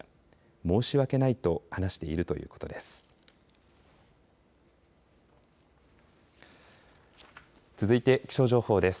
申し訳ないと話しているということです。